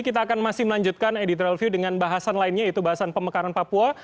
kita akan masih melanjutkan editorial view dengan bahasan lainnya yaitu bahasan pemekaran papua